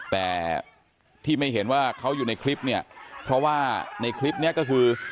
แต่ที่ไม่เห็นว่าเขาอยู่ในคลิปเนี่ยเพราะว่าในคลิปนี้ก็คือ